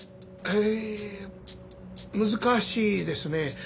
えー難しいですね。